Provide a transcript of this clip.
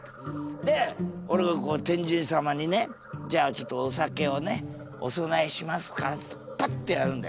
でおれがこう天神様にねじゃあちょっとお酒をねお供えしますかっつってパッてやるんだよ。